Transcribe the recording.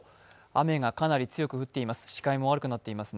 雨がかなり強く降っています。